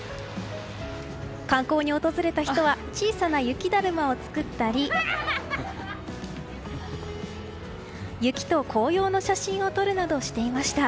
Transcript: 観光に訪れた人は小さな雪だるまを作ったり雪と紅葉の写真を撮るなどしていました。